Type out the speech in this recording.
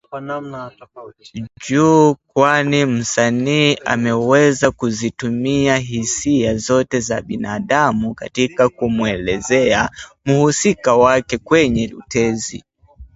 juu kwani msanii ameweza kuzitumia hisia zote za binadamu katika kumwelezea mhusika wake kwenye utenzi